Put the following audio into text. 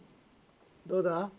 どうだ？